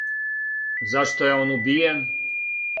Зашто је он убијен?